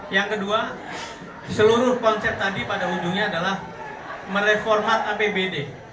dan kedua seluruh konsep tadi pada ujungnya adalah mereformat apbd